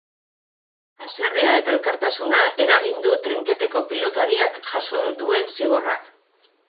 Haserrea eta elkartasuna eragin du trinketeko pilotariak jaso duen zigorrak.